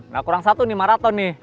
nah kurang satu nih maraton nih